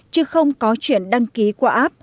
chứ không có chuyện đăng ký qua app